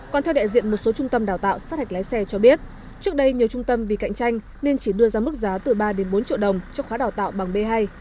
còn theo đại diện một số trung tâm đào tạo sát hạch lái xe cho biết trước đây nhiều trung tâm vì cạnh tranh nên chỉ đưa ra mức giá từ ba bốn triệu đồng cho khóa đào tạo bằng b hai